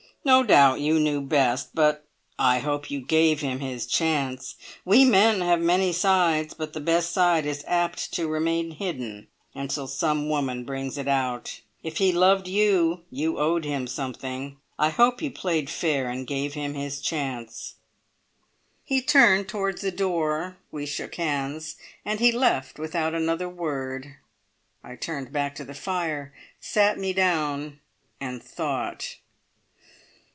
"No doubt you knew best, but I hope you gave him his chance! We men have many sides, but the best side is apt to remain hidden until some woman brings it out. If he loved you, you owed him something. I hope you played fair and gave him his chance!" He turned towards the door; we shook hands, and he left without another word. I turned back to the fire, sat me down, and thought.